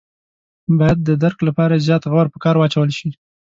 باید د درک لپاره یې زیات غور په کار واچول شي.